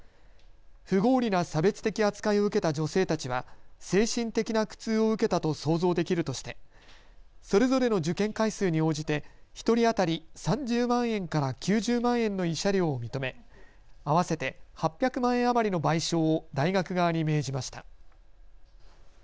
不合理な差別的扱いを受けた女性たちは精神的な苦痛を受けたと想像できるとしてそれぞれの受験回数に応じて１人当たり３０万円から９０万円の慰謝料を認め、合わせて８００万円余りの賠償を大学側に命じました。